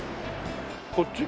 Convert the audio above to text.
こっち？